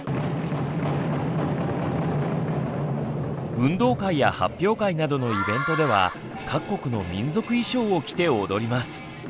運動会や発表会などのイベントでは各国の民族衣装を着て踊ります。